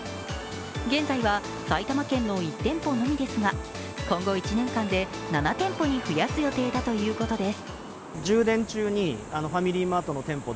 現在は埼玉県の１店舗のみですが今後１年間で７店舗に増やす予定だということです。